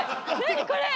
これ。